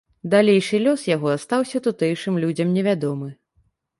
Далейшы лёс яго астаўся тутэйшым людзям невядомы.